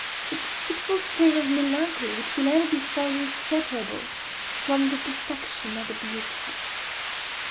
that fitful stain of melancholy which will ever be found inseparable from the perfection of the beautiful.